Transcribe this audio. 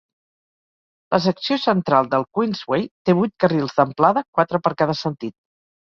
La secció central del Queensway té vuit carrils d'amplada, quatre per cada sentit.